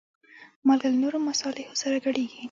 مالګه له نورو مصالحو سره ګډېږي.